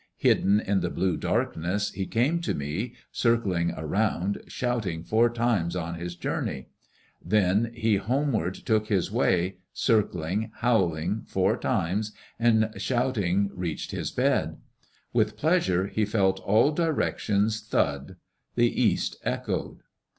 Hidden in the blue darkness, he came to me, circling around, shouting, four times on his journey. Then he homeward took his way, circling, howling, four times, and shouting reached his bed. With pleasure he felt all directions thud. The east echoed.